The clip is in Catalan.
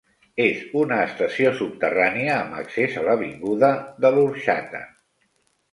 És una estació subterrània, amb accés a l'avinguda de l'Orxata.